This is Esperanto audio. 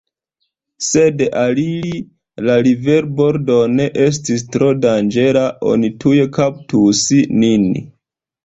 Sed aliri la riverbordon estis tro danĝere, oni tuj kaptus nin.